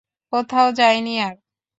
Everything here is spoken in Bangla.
কোথাও যাইনি আর।